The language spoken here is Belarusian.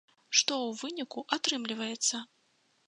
Што ў выніку атрымліваецца?